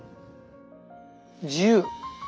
自由！